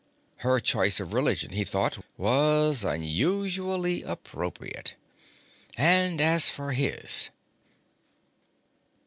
Her choice of religion, he thought, was unusually appropriate. And as for his....